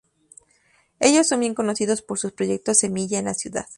Ellos son bien conocidos por sus proyectos semilla en la ciudad.